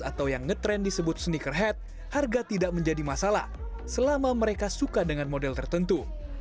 atau yang ngetrend disebut sneaker head harga tidak menjadi masalah selama mereka suka dengan model tertentu